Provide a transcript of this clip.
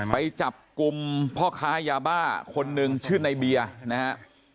ไปจับกลุ่มพ่อค้ายาบ้าคนก็ชื่อนายเบียร์นะครับ